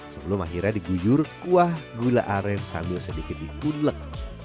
sebelum akhirnya diguyur kuah gula aren sambil sedikit dikunlet